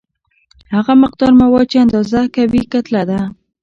هغه مقدار مواد چې اندازه کوي کتله ده.